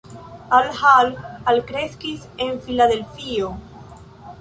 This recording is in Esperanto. Al Hall alkreskis en Filadelfio.